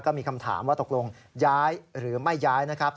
ก็มีคำถามว่าตกลงย้ายหรือไม่ย้ายนะครับ